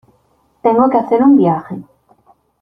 tengo que hacer un viaje.